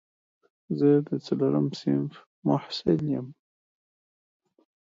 زه د څلورم صنف محصل یم